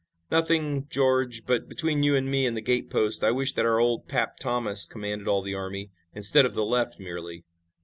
"Nothing, George, but, between you and me and the gate post, I wish that our old 'Pap' Thomas commanded all the army, instead of the left merely.